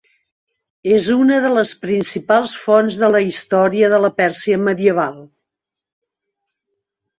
És una de les principals fonts de la història de la Pèrsia medieval.